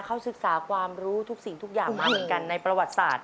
เขาศึกษาความรู้ทุกสิ่งทุกอย่างมาเหมือนกันในประวัติศาสต